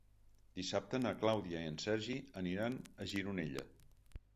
Dissabte na Clàudia i en Sergi aniran a Gironella.